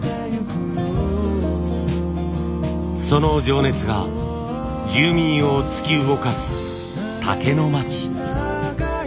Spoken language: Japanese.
その情熱が住民を突き動かす竹の町。